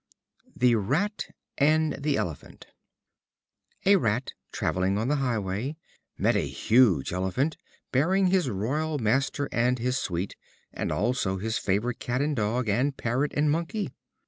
The Rat and the Elephant. A Rat, traveling on the highway, met a huge elephant, bearing his royal master and his suite, and also his favorite cat and dog, and parrot and monkey.